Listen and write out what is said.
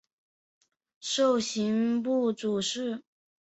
授刑部主事。